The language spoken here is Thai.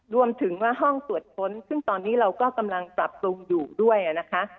รวมถึงว่าห้องตรวจค้นซึ่งตอนนี้เราก็กำลังปรับปรุงอยู่ด้วยนะคะ